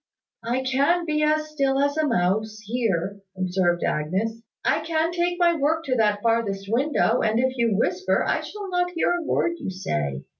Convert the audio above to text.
"I can be as still as a mouse here," observed Agnes. "I can take my work to that farthest window; and if you whisper, I shall not hear a word you say.